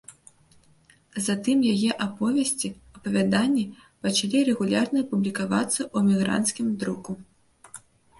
Затым яе аповесці, апавяданні пачалі рэгулярна публікавацца ў эмігранцкім друку.